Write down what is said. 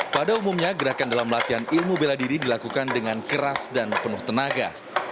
pada umumnya gerakan dalam latihan ilmu bela diri dilakukan dengan keras dan penuh tenaga